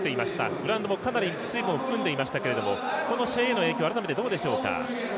グラウンドもかなり、水分を含んでいましたがこの試合への影響は改めてどうでしょうか？